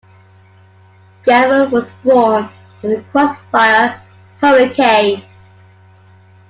Gavin was born in a crossfire hurricane.